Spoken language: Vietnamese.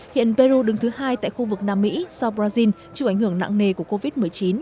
hiện peru đứng thứ hai tại khu vực nam mỹ sau brazil chịu ảnh hưởng nặng nề của covid một mươi chín